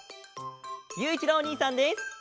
ゆういちろうおにいさんです！